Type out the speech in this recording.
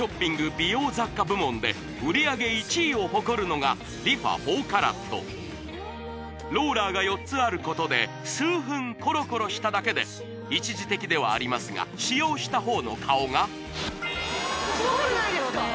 美容雑貨部門で売上１位を誇るのがローラーが４つあることで数分コロコロしただけで一時的ではありますが使用した方の顔がすごくないですか？